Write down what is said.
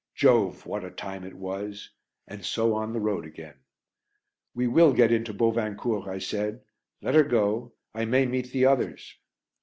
Jove! what a time it was! And so on the road again. "We will get into Bovincourt," I said. "Let her go; I may meet the others."